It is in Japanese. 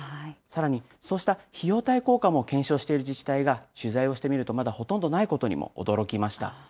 さらに、そうした費用対効果も検証している自治体が、取材をしてみると、まだほとんどないことにも驚きました。